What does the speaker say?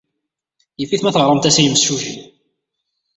Yif-it ma teɣramt-as i yimsujji.